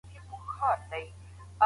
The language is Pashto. د ملکيت دفاع کول وجيبه ده.